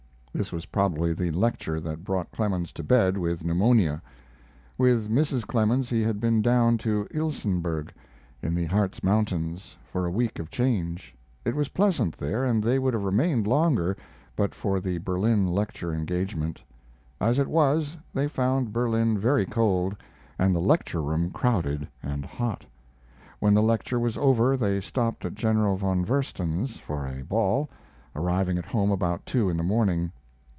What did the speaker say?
This was probably the lecture that brought Clemens to bed with pneumonia. With Mrs. Clemens he had been down to Ilsenburg, in the Hartz Mountains, for a week of change. It was pleasant there, and they would have remained longer but for the Berlin lecture engagement. As it was, they found Berlin very cold and the lecture room crowded and hot. When the lecture was over they stopped at General von Versen's for a ball, arriving at home about two in the morning.